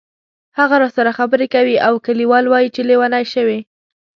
هغه راسره خبرې کوي او کلیوال وایي چې لیونی شوې.